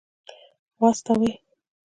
واستوي.